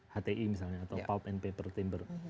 hti misalnya atau pulp and paper timber